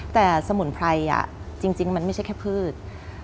แต่สมุนไพรจริงมันไม่ใช่แค่พืช